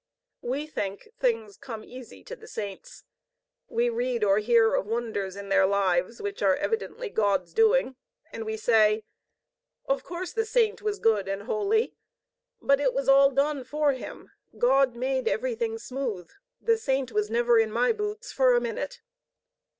We think things come easy to the saints. We read or hear of wonders in their lives, which are evidently God's doing; and we say: "Of course the saint was good and holy. But it was all done for him. God made everything smooth. The saint was never in my boots for a minute."